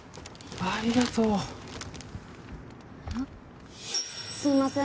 ありがとうあっすいません